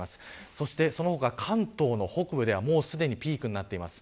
そしてその他、関東の北部ではすでにピークになっています。